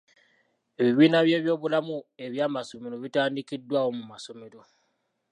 Ebibiina by'ebyobulamu eby'amasomero bitandikiddwawo mu masomero.